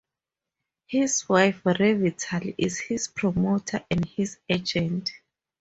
His wife Revital is his promoter and his agent.